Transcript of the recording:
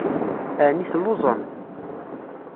Ɛni telluẓemt?